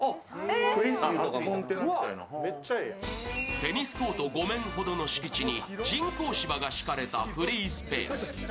テニスコート５面ほどの敷地に人工芝が敷かれたフリースペース。